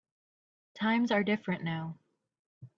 Times are different now.